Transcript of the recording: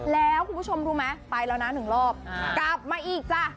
แล้วคุณผู้ชมรู้ไหมไปแล้วนะหนึ่งรอบกลับมาอีกจ้ะ